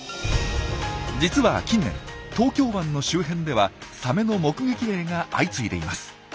実は近年東京湾の周辺ではサメの目撃例が相次いでいます。